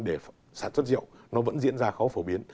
để sản xuất rượu nó vẫn diễn ra khó phổ biến